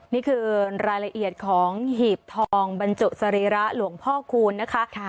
นี่คือรายละเอียดของหีบทองบรรจุสรีระหลวงพ่อคูณนะคะ